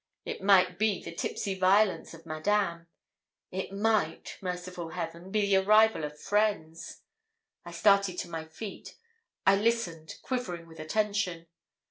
It might be the tipsy violence of Madame. It might merciful Heaven! be the arrival of friends. I started to my feet; I listened, quivering with attention.